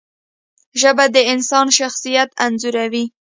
ژبه د انسان شخصیت انځوروي